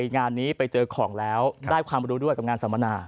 งานนี้ไปเจอของแล้วได้ความรู้ด้วยกับงานสัมมนา